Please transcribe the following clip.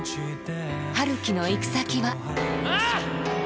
陽樹の行く先は？